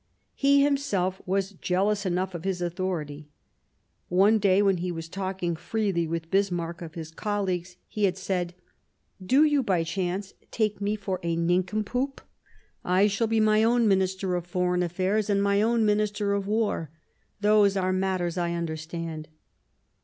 He himself was jealous enough of his authority. One day, when he was talking freely with Bismarck of his colleagues, he had said :" Do you, by chance, take me for a nincompoop ? 44 Years of Preparation I shall be my own Minister of Foreign Affairs and my own Minister of War ; those are matters I understand."